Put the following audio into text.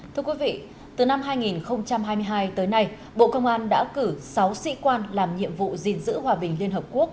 thưa quý vị từ năm hai nghìn hai mươi hai tới nay bộ công an đã cử sáu sĩ quan làm nhiệm vụ gìn giữ hòa bình liên hợp quốc